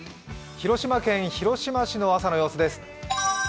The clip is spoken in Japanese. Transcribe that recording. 広島県広島市の朝の様子です。